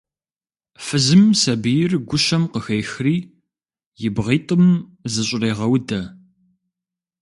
Фызым сабийр гущэм къыхехри, и бгъитӏым зыщӏрегъэудэ.